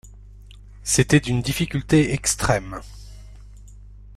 C’était d’une difficulté extrême...